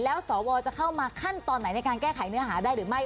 แล้วสวจะเข้ามาขั้นตอนไหนในการแก้ไขเนื้อหาได้หรือไม่